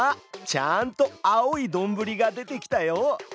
ちゃんと青いどんぶりが出てきたよ。